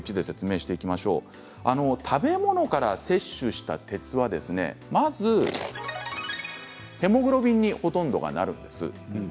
食べ物から摂取した鉄はまずヘモグロビンにほとんどがなるんです。